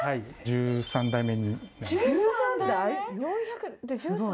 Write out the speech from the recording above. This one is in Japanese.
１３代目？